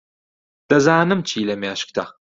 دەزانم چی لە مێشکتە.